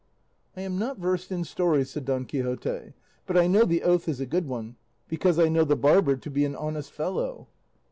"I am not versed in stories," said Don Quixote; "but I know the oath is a good one, because I know the barber to be an honest fellow."